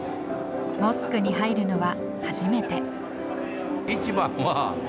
モスクに入るのは初めて。